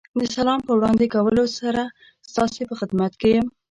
د سلام په وړاندې کولو سره ستاسې په خدمت کې یم.